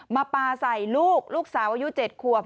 ปลาใส่ลูกลูกสาวอายุ๗ขวบ